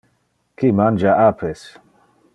Qui mangia apes?